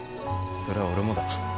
それは俺もだ。